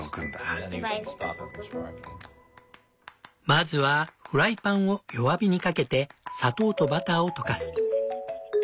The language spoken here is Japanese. まずはフライパンを弱火にかけて砂糖とバターを溶かす。